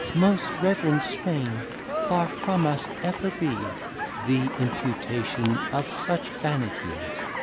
_ Most Reverend Swaine, far from us ever be The imputation of such Vanity.